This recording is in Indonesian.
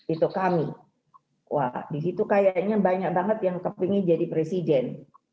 itu kami wah di situ kayaknya banyak banget yang kepingin jadi presiden